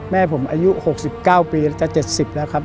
แม่ผมอายุ๖๙ปีแล้วจะ๗๐แล้วครับ